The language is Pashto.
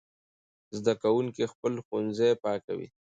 زده کوونکي خپل ښوونځي پاکوي.